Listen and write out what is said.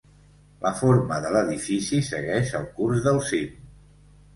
La forma de l"edifici segueix el curs del cim.